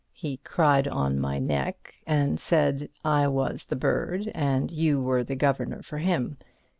He cried on my neck, and said I was the bird, and you were the governor for him.